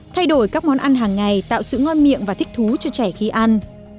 thay đổi các món ăn hàng ngày tạo sự ngon miệng và thích thú cho trẻ khi ăn